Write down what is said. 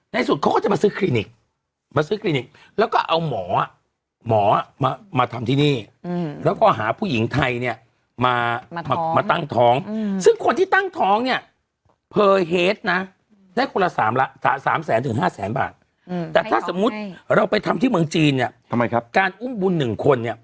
นึกออกไหมอืมเขาเรียกภูมิภูมิภูมิภูมิของชั้นเกาะด้วยกัน